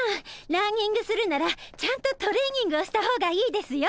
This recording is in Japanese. ランニングするならちゃんとトレーニングをした方がいいですよ。